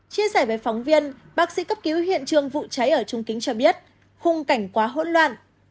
chia sẻ với phóng viên bác sĩ cấp cứu hiện trường vụ cháy ở trung kính cho biết khung cảnh quá hỗn loạn